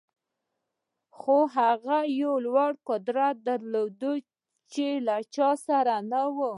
خو هغه یو لوی قدرت درلود چې له هېچا سره نه و